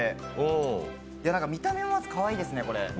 見た目、まずかわいいですね、これ。